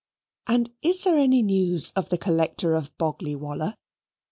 And is there any news of the Collector of Boggley Wollah?